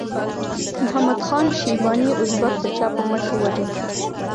محمد خان شیباني ازبک د چا په مټ ووژل شو؟